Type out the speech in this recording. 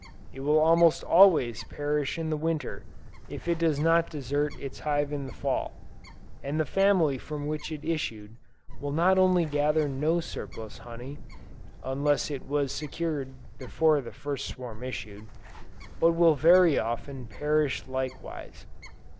It will almost always perish in the Winter, if it does not desert its hive in the Fall, and the family from which it issued, will not only gather no surplus honey, (unless it was secured before the first swarm issued,) but will very often perish likewise.